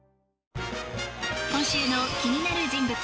今週の気になる人物